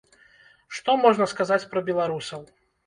Што можна сказаць пра беларусаў?